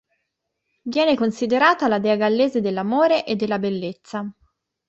Viene considerata la dea gallese dell'amore e della bellezza.